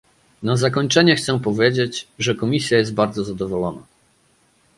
Na zakończenie chcę powiedzieć, że Komisja jest bardzo zadowolona